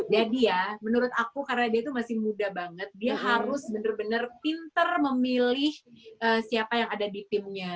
jadi ya menurut aku karena dia tuh masih muda banget dia harus benar benar pinter memilih siapa yang ada di timnya